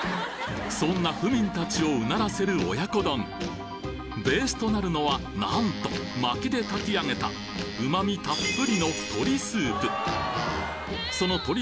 そんな府民達をうならせる親子丼ベースとなるのはなんと薪で炊き上げた旨味たっぷりの鶏スープその鶏